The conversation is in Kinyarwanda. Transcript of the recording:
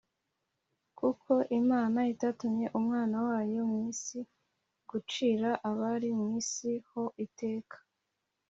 Kuko Imana itatumye Umwana wayo mu isi gucira abari mu si ho iteka: